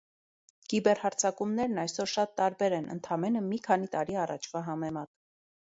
Կիբերհարձակումներն այսօր շատ տարբեր են ընդամենը մի քանի տարի առաջվա համեմատ։